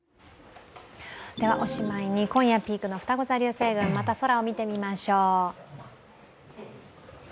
おしまいに今夜ピークのふたご座流星群、また空を見てみましょう。